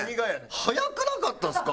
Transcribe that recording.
早くなかったですか？